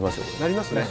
なりますね。